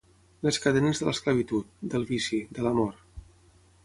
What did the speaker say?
Les cadenes de l'esclavitud, del vici, de l'amor.